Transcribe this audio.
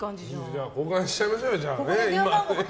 じゃあ交換しちゃいましょうよ。